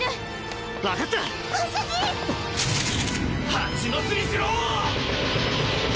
蜂の巣にしろ！